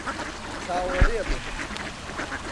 چاوەڕێ بن!